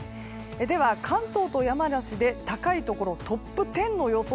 では、関東と山梨で高いところトップ１０の予想